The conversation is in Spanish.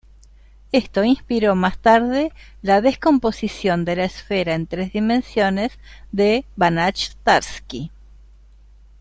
Esto inspiró más tarde la descomposición de la esfera en tres dimensions de Banach-Tarski.